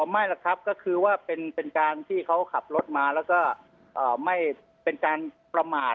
ไม่หรอกครับก็คือว่าเป็นการที่เขาขับรถมาแล้วก็ไม่เป็นการประมาท